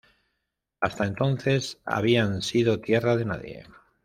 Hasta entonces habían sido tierra de nadie.